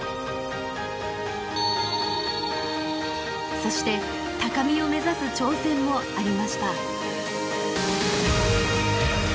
そして高みを目指す挑戦もありました。